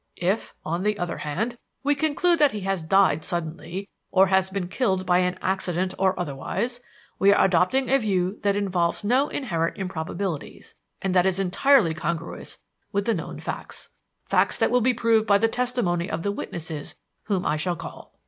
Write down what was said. If, on the other hand, we conclude that he has died suddenly, or has been killed by an accident or otherwise, we are adopting a view that involves no inherent improbabilities and that is entirely congruous with the known facts; facts that will be proved by the testimony of the witnesses whom I shall call.